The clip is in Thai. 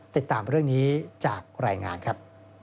ติดตามเรื่องนี้จากรายงานครับ